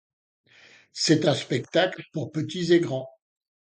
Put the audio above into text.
C'est un spectacle pour petits et grands.